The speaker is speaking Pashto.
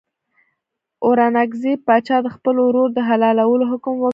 اورنګزېب پاچا د خپل ورور د حلالولو حکم وکړ.